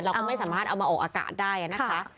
เราก็ไม่สามารถเอามาออกอากาศได้นะคะ